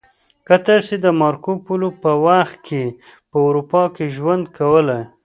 که تاسې د مارکو پولو په وخت کې په اروپا کې ژوند کولی